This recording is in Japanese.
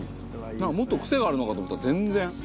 もっとクセがあるのかと思ったら全然。